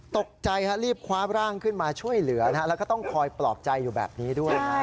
ตกใจรีบคว้าร่างขึ้นมาช่วยเหลือแล้วก็ต้องคอยปลอบใจอยู่แบบนี้ด้วย